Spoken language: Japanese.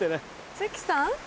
関さん？